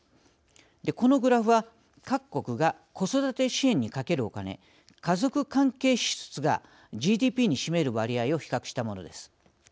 このグラフは各国が子育て支援にかけるお金家族関係支出がＧＤＰに占める割合を比較したものです。